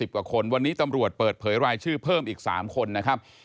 กว่าคนวันนี้ตำรวจเปิดเผยรายชื่อเพิ่มอีก๓คนนะครับ